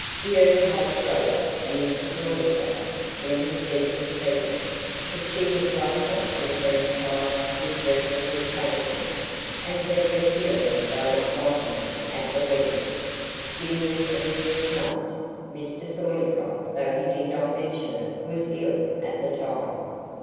The Urquharts wrote, and Mr Thornycroft, when he sent his present; but she had "bluffed" them with her implied misrepresentations, and hurt their feelings by not wanting them at the wedding. Jim was easily snubbed; Mr Thornycroft though he did not mention it was ill at the time.